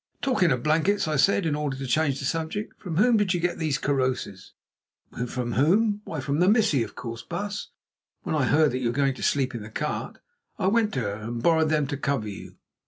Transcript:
"Talking of blankets," I said in order to change the subject, "from whom did you get these karosses?" "From whom? Why, from the Missie, of course, baas. When I heard that you were to sleep in the cart I went to her and borrowed them to cover you.